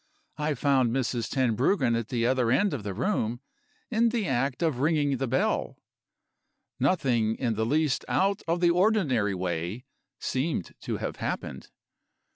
I found Mrs. Tenbruggen at the other end of the room, in the act of ringing the bell. Nothing in the least out of the ordinary way seemed to have happened.